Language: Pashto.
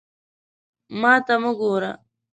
ما ته مه ګوره!